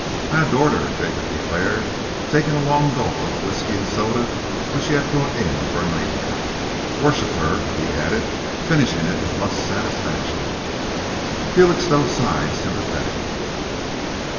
"I adored her," Jacob declared, taking a long gulp of the whisky and soda which he had brought in for a nightcap. "Worshipped her," he added, finishing it with much satisfaction. Felixstowe sighed sympathetically.